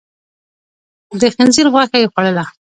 د خنزير غوښه يې خوړله.